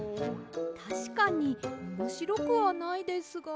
たしかにおもしろくはないですが。